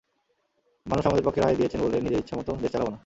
মানুষ আমাদের পক্ষে রায় দিয়েছেন বলে নিজের ইচ্ছেমতো দেশ চালাব না।